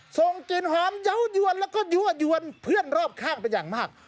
ส่งกลิ่นหอมเยาวยวนแล้วก็ยั่วยวนเพื่อนรอบข้างเป็นอย่างมาก